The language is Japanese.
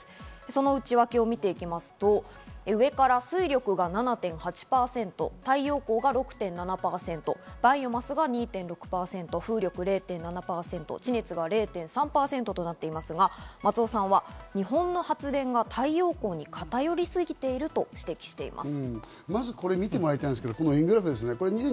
その内訳を見て行きますと、上から水力が７．８％、太陽光が６．７％、バイオマスが２．６％、風力０．７％、地熱が０．３％となっていますが、松尾さんによると日本の発電が太陽光に偏りすぎていると話しています。